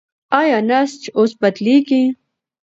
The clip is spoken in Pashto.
ایا نسج اوس بدلېږي؟